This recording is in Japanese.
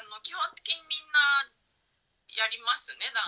基本的にみんなやりますね